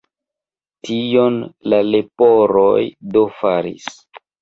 Tion la leporoj do faris.